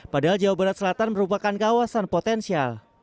padahal jawa barat selatan merupakan kawasan potensial